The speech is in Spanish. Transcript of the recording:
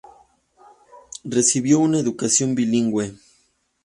Recibió una educación bilingüe.